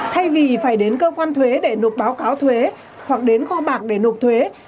thay vì phải đến cơ quan thuế để nộp báo cáo thuế hoặc đến kho bạc để nộp thuế